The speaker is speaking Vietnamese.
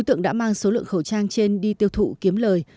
tượng đã mang số lượng khẩu trang trên đi tiêu thụ kiếm lời